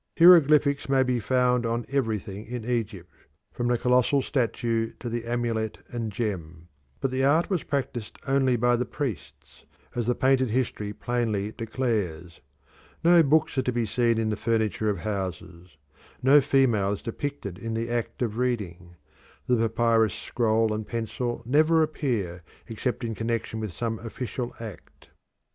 Hieroglyphics may be found on everything in Egypt, from the colossal statue to the amulet and gem. But the art was practised only by the priests, as the painted history plainly declares. No books are to be seen in the furniture of houses; no female is depicted in the act of reading; the papyrus scroll and pencil never appear except in connection with some official act.